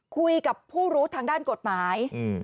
คุยกับผู้รู้ทางด้านกฎหมาย